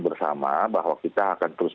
bersama bahwa kita akan terus